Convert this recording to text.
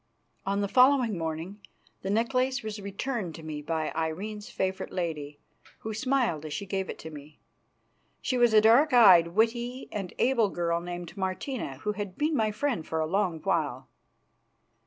On the following morning the necklace was returned to me by Irene's favourite lady, who smiled as she gave it to me. She was a dark eyed, witty, and able girl named Martina, who had been my friend for a long while.